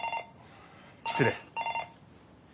失礼。